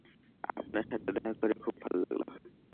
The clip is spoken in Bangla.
আপনার সাথেও দেখা করে খুব ভাল লাগল।